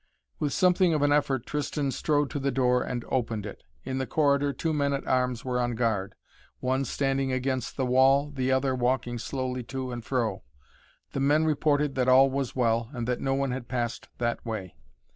With something of an effort Tristan strode to the door and opened it. In the corridor two men at arms were on guard, one standing against the wall, the other walking slowly to and fro. The men reported that all was well, and that no one had passed that way.